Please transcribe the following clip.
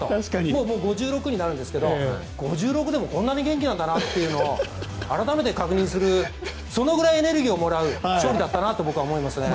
もう５６になるんですが５６でもこんなに元気なんだなというのを改めて確認するそのぐらいエネルギーをもらう勝利だったなと僕は思いますね。